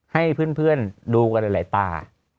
ให้เพื่อนเพื่อนดูกันในหลายตา